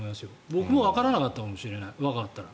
僕もわからなかったかもしれない若かったら。